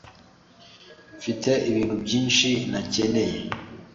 Mfite ibintu byinshi ntakeneye.